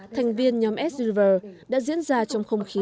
thành viên nhóm s river đã diễn ra trong không khí